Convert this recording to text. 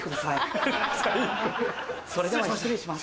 それでは失礼します。